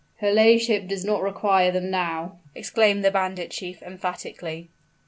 "Her ladyship does not require them now!" exclaimed the bandit chief, emphatically.